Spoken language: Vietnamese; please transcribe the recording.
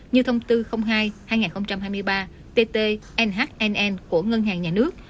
như thông tư hai hai nghìn hai mươi ba tt nhnn của ngân hàng nhà nước